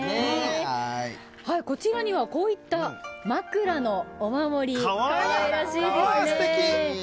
こちらにはこういった枕のお守りかわいらしいですね。